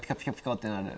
ってなる。